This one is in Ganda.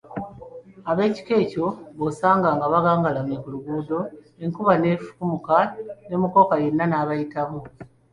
Ab'ekika ekyo b’osanga nga bagangalamye ku luguudo, enkuba ne fukumuka ne mukoka yenna n’abayitamu!